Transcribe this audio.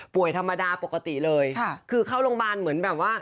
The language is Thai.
ธรรมดาปกติเลยค่ะคือเข้าโรงพยาบาลเหมือนแบบว่า